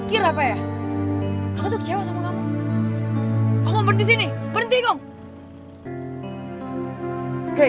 kei kei kei kei